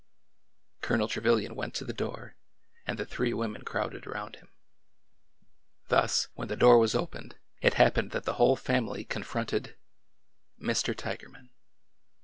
Colonel Trevilian went to the door, and the three wo men crowded around him. Thus, when the door was opened, it happened that the whole family confronted — Mr. Tigerman!